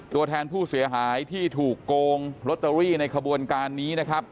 ตัวแทนผู้เสียหายที่ถูกโกงลอตเตอรี่ในขบวนการนี้นะครับ